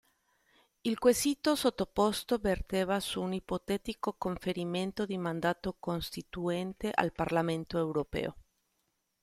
Il quesito sottoposto verteva su un ipotetico conferimento di mandato costituente al Parlamento europeo.